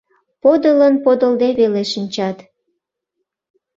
Подылын подылде веле шинчат: